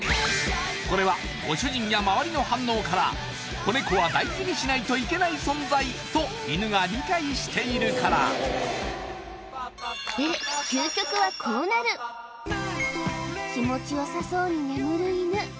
これはご主人や周りの反応から子ネコは大事にしないといけない存在と犬が理解しているからで気持ちよさそうに眠る犬